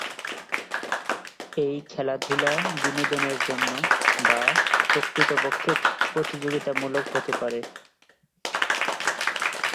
এই খেলাধুলা বিনোদনের জন্য, বা প্রকৃতপক্ষে প্রতিযোগিতামূলক হতে পারে।